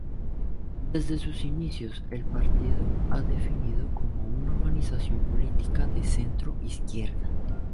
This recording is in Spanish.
Desde sus inicios, el partido ha definido como una organización política de centro izquierda.